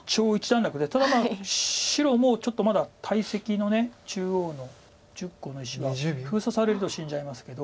ただまあ白もちょっとまだ大石の中央の１０個の石が封鎖されると死んじゃいますけど。